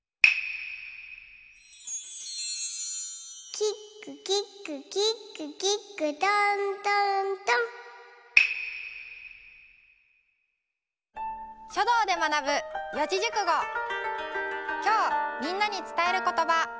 「キックキックキックキック」きょうみんなにつたえることば。